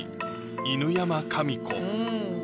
犬山紙子